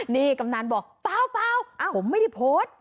นี่กำนันบอกเปล่าผมไม่ได้โพสต์